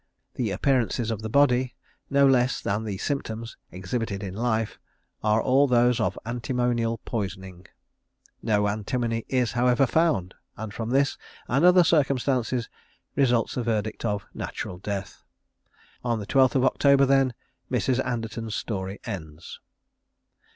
The appearances of the body, no less than the symptoms exhibited in life, are all those of antimonial poisoning. No antimony is, however, found; and from this and other circumstances, results a verdict of "Natural Death." On the 12th October, then, Mrs. Anderton's story ends.